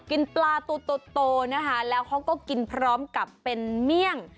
กินปลาตัวโตนะคะแล้วเขาก็กินพร้อมกับเป็นเมี่ยง